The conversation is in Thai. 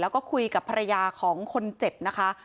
แล้วก็คุยกับภรรยาของคนเจ็บนะคะ